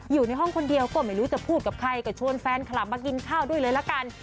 อยู่ในห้องคนเดียวก็ไม่รู้จะพูดกับใครก็ชวนแฟนคลับมากินข้าวด้วยเลยละกัน